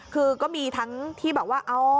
ก็มีทั้งที่บอกว่า